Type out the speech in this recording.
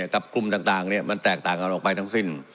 กลุ่มต่างมันแตกต่างกันออกไปทั้งสิ้น